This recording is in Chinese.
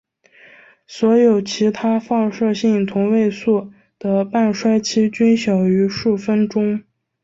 所有其他放射性同位素的半衰期均小于数分钟。